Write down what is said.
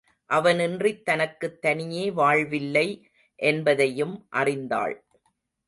அவனின்றித் தனக்குத் தனியே வாழ்வில்லை என்பதையும் அறிந்தாள்.